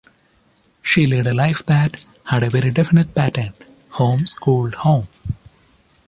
She led a life that had a very definite pattern - home-school-home.